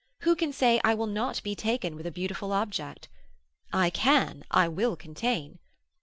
Who can say I will not be taken with a beautiful object? I can, I will contain.